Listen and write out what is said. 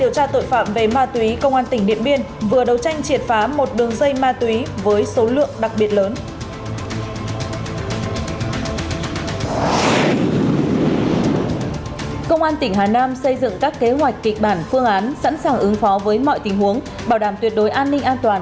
các bạn hãy đăng kí cho kênh lalaschool để không bỏ lỡ những video hấp dẫn